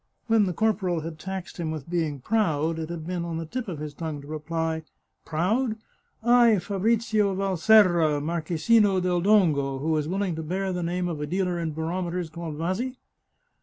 When the corporal had taxed him with being proud it had been on the tip of his tongue to reply, " Proud ! I, Fabrizio Valserra, Marchesino del Dongo, who is willing to bear the name of a dealer in barometers called Vasi